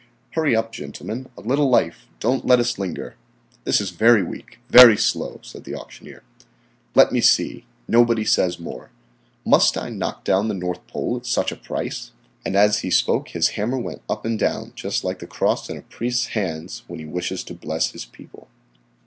"Hurry up, gentlemen; a little life. Don't let us linger. This is very weak, very slow," said the auctioneer. "Let me see. Nobody says more. Must I knock down the North Pole at such a price?" and as he spoke his hammer went up and down just like the cross in a priest's hands when he wishes to bless his people.